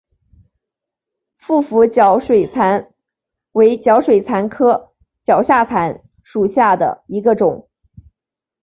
腹斧角水蚤为角水蚤科角水蚤属下的一个种。